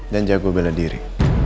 dan jago bela diri